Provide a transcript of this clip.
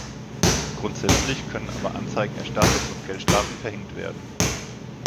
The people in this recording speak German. Grundsätzlich können aber Anzeigen erstattet und Geldstrafen verhängt werden.